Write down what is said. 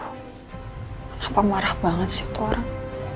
kenapa marah banget sih itu orang